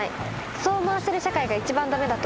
そう思わせる社会が一番駄目だと思います。